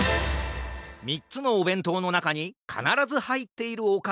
みっつのおべんとうのなかにかならずはいっているおかずはどれかな？